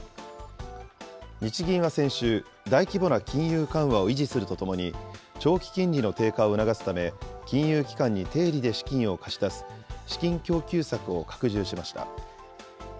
日銀は先週、大規模な金融緩和を維持するとともに、長期金利の低下を促すため、、金融機関に低利で資金を貸し出す、資金供給策を拡充しました。